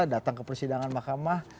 datang ke persidangan mahkamah